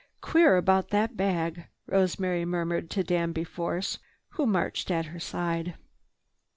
"Queer about that bag," Rosemary murmured to Danby Force, who marched at her side.